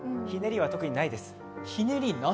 ひねりは特にないです。